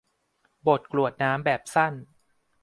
บทกรวดน้ำแบบสั้น